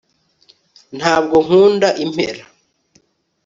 ntabwo nkunda impera